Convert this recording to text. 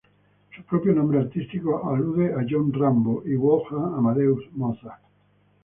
Su propio nombre artístico alude a John Rambo y Wolfgang Amadeus Mozart.